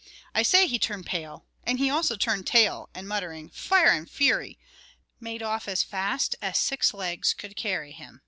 I say, he turned pale; and he also turned tail, and muttering, "Fire and fury!" made off as fast as six legs could carry him.